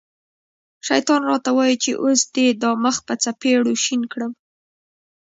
شیطان را ته وايي چې اوس دې دا مخ په څپېړو شین کړم.